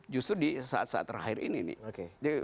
justru di saat saat terakhir ini nih